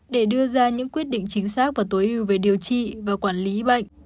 để đưa ra những quyết định chính xác và tối ưu về điều trị và quản lý bệnh